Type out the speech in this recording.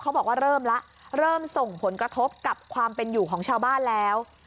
บอกว่าเริ่มแล้วเริ่มส่งผลกระทบกับความเป็นอยู่ของชาวบ้านแล้ว